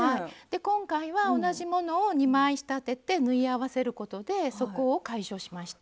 今回は同じものを２枚仕立てて縫い合わせることでそこを解消しました。